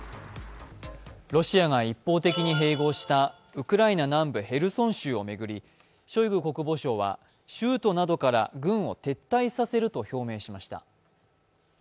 ロシアが一方的に併合したウクライナ南部ヘルソン州を巡りショイグ国防相は州都などから軍を撤退させると表明しました。